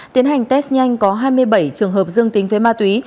tiến hành test nhanh có hai mươi bảy trường hợp dương tính với ma túy